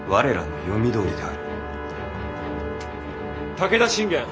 武田信玄